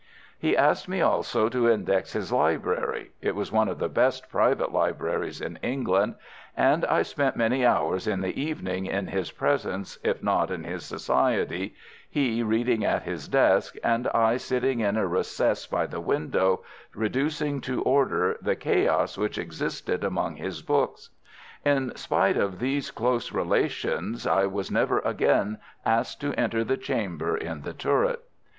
He asked me also to index his library (it was one of the best private libraries in England), and I spent many hours in the evening in his presence, if not in his society, he reading at his desk and I sitting in a recess by the window reducing to order the chaos which existed among his books. In spite of these close relations I was never again asked to enter the chamber in the turret.